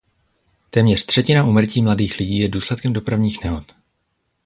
Téměř třetina úmrtí mladých lidí je důsledkem dopravních nehod.